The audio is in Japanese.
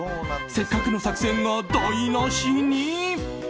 せっかくの作戦が台無しに。